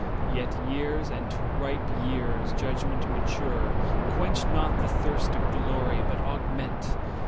Yet years, and to ripe years judgment mature, Quench not the thirst of glory, but augment.